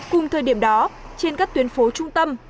cùng thời điểm đó trên các tuyến phố trung tâm